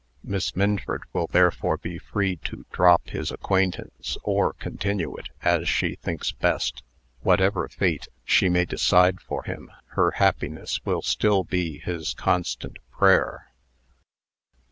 Miss Minford will therefore be free to drop his acquaintance, or continue it, as she thinks best. Whatever fate she may decide for him, her happiness will still be his constant prayer."